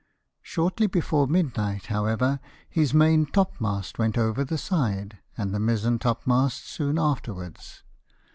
Shortly before midnight, however, his main topmast went over the side, and the mizen top mast soon afterwards.